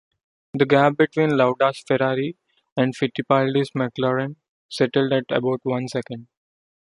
The gap between Lauda's Ferrari and Fittipaldi's McLaren settled at about one second.